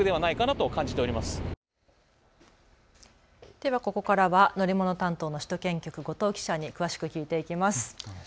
ではここからは乗り物担当の首都圏局、後藤記者に詳しく聞いていきます。